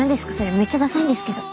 めっちゃださいんですけど。